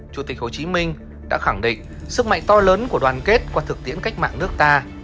chủ tịch hồ chí minh đã khẳng định sức mạnh to lớn của đoàn kết qua thực tiễn cách mạng nước ta